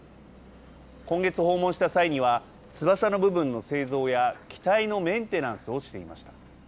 今月、訪問した際には翼の部分の製造や、機体のメンテナンスをしていました。